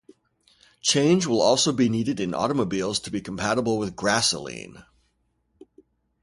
Change will also be needed in automobiles to be compatible with grassoline.